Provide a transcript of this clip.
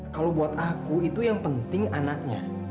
kalau buat aku itu yang penting anaknya